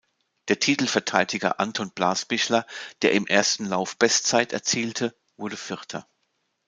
Der Titelverteidiger Anton Blasbichler, der im ersten Lauf Bestzeit erzielt hatte, wurde Vierter.